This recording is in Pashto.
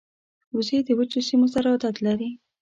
وزې د وچو سیمو سره عادت لري